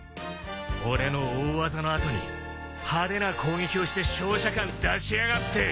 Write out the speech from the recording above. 俺の大技の後に派手な攻撃をして勝者感出しやがって。